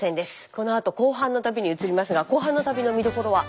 このあと後半の旅に移りますが後半の旅の見どころは？